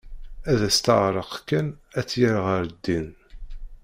Ad as-teɛreq kan ad tt-yerr ɣer ddin.